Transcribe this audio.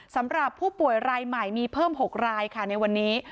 สำหรับผู้ป่วยรายใหม่มีเพิ่ม๖รายค่ะในวันนี้